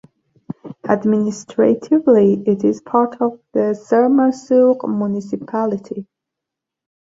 Administratively it is part of the Sermersooq municipality.